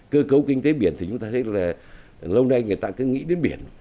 cơ cấu kinh tế biển thì chúng ta thấy là lâu nay người ta cứ nghĩ đến biển